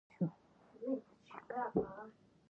ما هغو ته یوه څربه اوښه ساتلې وه، هغه به مې کور ساتله،